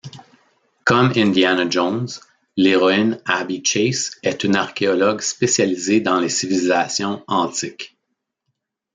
Comme Indiana Jones, l’héroïne Abbey Chase est une archéologue spécialisée dans les civilisations antiques.